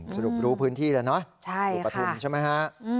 สรุปรู้พื้นที่แล้วเนอะอยู่ปฐุมใช่ไหมฮะ